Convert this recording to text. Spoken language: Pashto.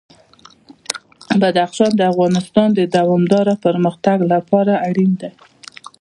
بدخشان د افغانستان د دوامداره پرمختګ لپاره اړین دي.